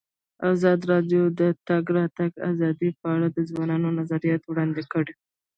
ازادي راډیو د د تګ راتګ ازادي په اړه د ځوانانو نظریات وړاندې کړي.